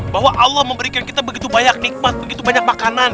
bahwa allah memberikan kita begitu banyak nikmat begitu banyak makanan